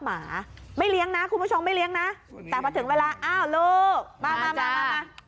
หมาไม่เลี้ยงนะคุณผู้ชมไม่เลี้ยงนะแต่พอถึงเวลาอ้าวลูกมามามา